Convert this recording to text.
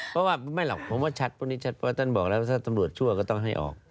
เพราะว่าไม่หรอกผมว่าชัดพวกนี้ชัดเพราะท่านบอกแล้วถ้าตำรวจชั่วก็ต้องให้ออก